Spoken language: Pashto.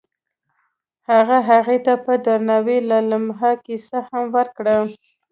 هغه هغې ته په درناوي د لمحه کیسه هم وکړه.